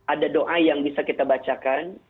ada doa yang bisa kita bacakan